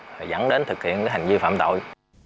rồi dẫn đến thực hiện cái hành vi phạm tội